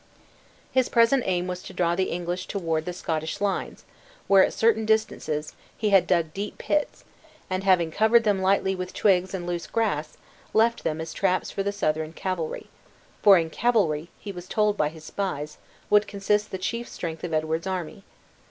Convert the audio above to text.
His present aim was to draw the English toward the Scottish lines, where, at certain distances, he had dug deep pits; and having covered them lightly with twigs and loose grass, left them as traps for the Southron cavalry; for in cavalry, he was told by his spies, would consist the chief strength of Edward's army.